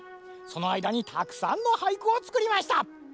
そのあいだにたくさんのはいくをつくりました。